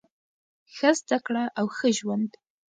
ښه زده کړه او ښه ژوند.